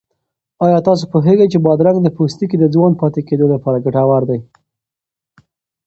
آیا تاسو پوهېږئ چې بادرنګ د پوستکي د ځوان پاتې کېدو لپاره ګټور دی؟